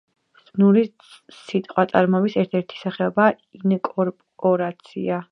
ზმნური სიტყვაწარმოების ერთ-ერთი სახეობაა ინკორპორაცია.